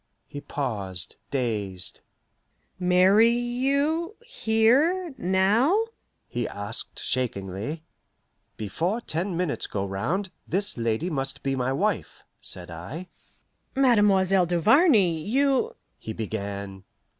He paused, dazed. "Marry you here now?" he asked shakingly. "Before ten minutes go round, this lady must be my wife," said I. "Mademoiselle Duvarney, you " he began.